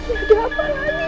ini ada apa lagi ini